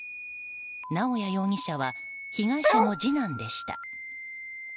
直哉容疑者は被害者の次男でした。